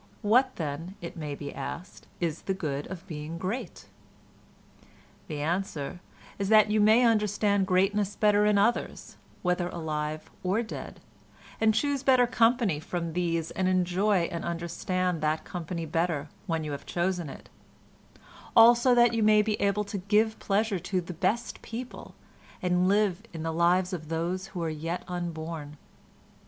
What, then, it may be asked, is the good of being great? The answer is that you may understand greatness better in others, whether alive or dead, and choose better company from these and enjoy and understand that company better when you have chosen it—also that you may be able to give pleasure to the best people and live in the lives of those who are yet unborn.